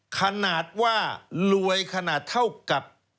ขนาดว่ารวยขนาดเท่ากับ